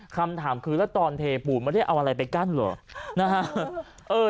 คำถามคือแล้วตอนเทปูไม่ได้เอาอะไรไปกั้นเหรอ